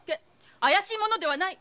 怪しい者ではない。